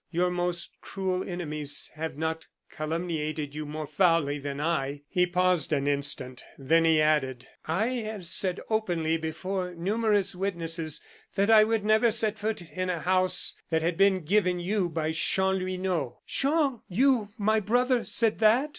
Your most cruel enemies have not calumniated you more foully than I " He paused an instant, then he added: "I have said openly, before numerous witnesses, that I would never set foot in a house that had been given you by Chanlouineau." "Jean! you, my brother! said that?"